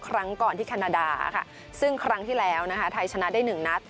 ครั้งก่อนที่แคนาดาซึ่งครั้งที่แล้วไทยชนะได้๑นัด